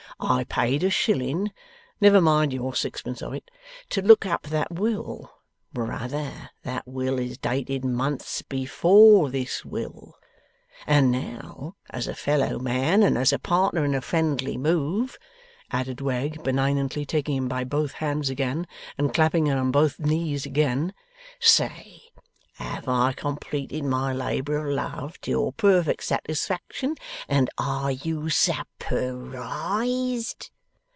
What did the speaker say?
I paid a shilling (never mind your sixpence of it) to look up that will. Brother, that will is dated months before this will. And now, as a fellow man, and as a partner in a friendly move,' added Wegg, benignantly taking him by both hands again, and clapping him on both knees again, 'say have I completed my labour of love to your perfect satisfaction, and are you sap pur IZED?